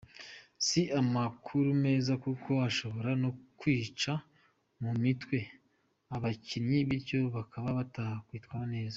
Si amakuru meza kuko ashobora no kwica mu muitwe abakinnyi bityo bakaba batakitwara neza.